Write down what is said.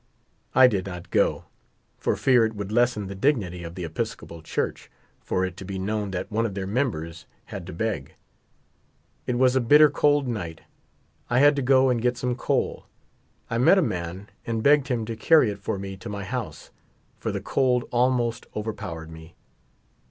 I did not go. for fear it would lessen the dignity of the Episcopal Church for it to be known that one of her members had to beg. It was a bitter cold night. I had to go and get some coal. I met a man and begged him to carry it for me to my house, for the cold almost overpowered me.